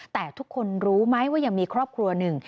แต่ทุกคนรู้ไหมว่ายังมีครอบครัวหนึ่ง